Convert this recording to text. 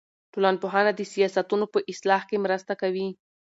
ټولنپوهنه د سیاستونو په اصلاح کې مرسته کوي.